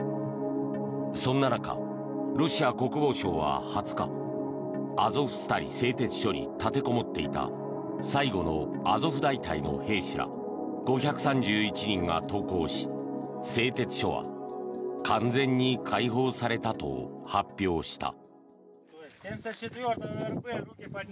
そんな中、ロシア国防省は２０日アゾフスタリ製鉄所に立てこもっていた最後のアゾフ大隊の兵士ら５３１人が投降し製鉄所は完全に解放されたと発表した。